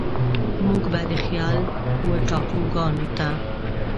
موږ به د خيال و ټاپوګانوته،